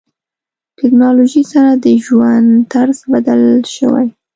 ټکنالوژي سره د ژوند طرز بدل شوی.